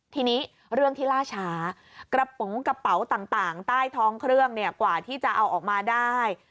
ทีนี้เรื่องที่ล่าช้ากระป๋องกระเป๋าต่างใต้ท้องเครื่องเนี่ยกว่าที่จะเอาออกมาได้